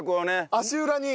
足裏に。